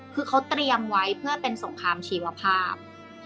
คือเขาเตรียมไว้เพื่อเป็นสงครามชีวภาพ